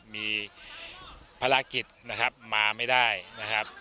มีภารกิจนะครับมาไม่ได้นะครับ